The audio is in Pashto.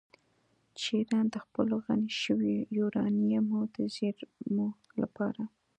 چې ایران د خپلو غني شویو یورانیمو د زیرمو لپاره